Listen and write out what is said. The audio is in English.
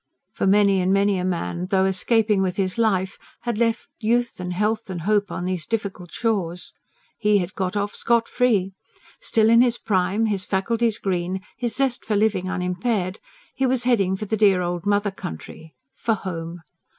For many and many a man, though escaping with his life, had left youth and health and hope on these difficult shores. He had got off scot free. Still in his prime, his faculties green, his zest for living unimpaired, he was heading for the dear old mother country for home.